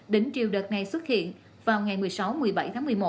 đỉnh triều đợt này xuất hiện vào ngày một mươi sáu một mươi bảy tháng một mươi một